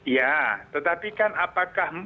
ya tetapi kan apakah